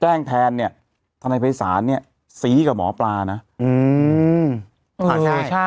แจ้งแทนเนี่ยทนายภัยศาลเนี่ยสีกับหมอปลานะอืมอ่าใช่ใช่